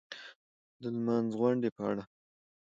د لمانځغونډې په اړه